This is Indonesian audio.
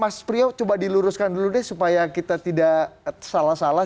mas priyo coba diluruskan dulu deh supaya kita tidak salah salah